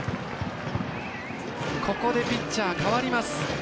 ここでピッチャー代わります。